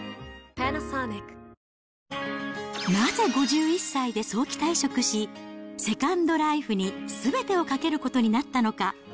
なぜ５１歳で早期退職し、セカンドライフにすべてをかけることになったのか。